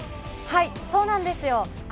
そうなんですよ。